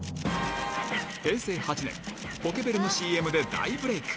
平成８年、ポケベルのＣＭで大ブレイク。